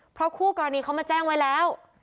เพราะคู่กรณีเขามาแจ้งไว้แล้ว